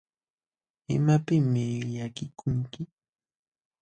¿Imapiqmi llakikunki?